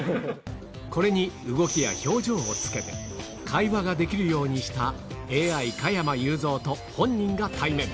これに動きや表情をつけて、会話ができるようにしたＡＩ加山雄三と本人が対面。